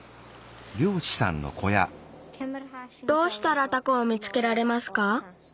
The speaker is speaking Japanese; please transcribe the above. どうしたらタコを見つけられますか？